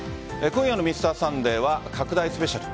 今夜の「Ｍｒ．サンデー」は拡大スペシャル。